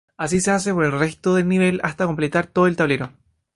Así se hace por el resto del nivel hasta completar todo el tablero.